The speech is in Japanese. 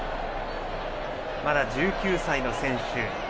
まだ１９歳の選手。